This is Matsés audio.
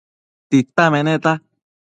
Tita meneta